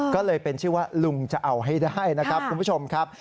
ก็เลยเป็นชื่อว่าลุงจะเอาให้ได้นะครับคุณผู้ชมครับ